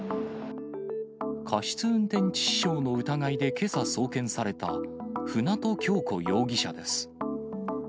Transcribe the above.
過失運転致死傷の疑いでけさ送検された、舟渡今日子容疑者です。